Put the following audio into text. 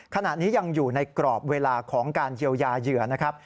ขณะนี้ยังอยู่ในกรอบเวลาของการเยียวยาเหยื่อนะครับ